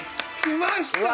来ました！